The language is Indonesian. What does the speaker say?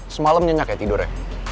semalam nyenyak ya tidurnya